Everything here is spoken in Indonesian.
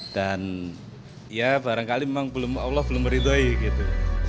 dan ya barangkali memang allah belum meriduai gitu